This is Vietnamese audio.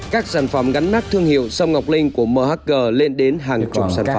các sản phẩm gắn nát thương hiệu xăm ngọc linh của mhg lên đến hàng chục sản phẩm